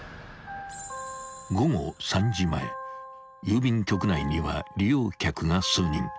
［午後３時前郵便局内には利用客が数人］